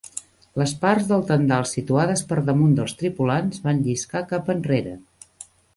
Les parts del tendal situades per damunt dels tripulants van lliscar cap enrere.